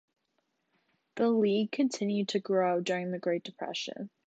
The League continued to grow during the Great Depression.